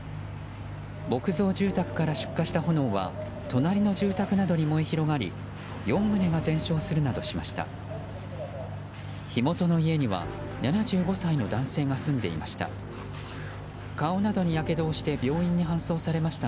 木造住宅から出火した炎は隣の住宅などに燃え広がり４棟が全焼するなどしました。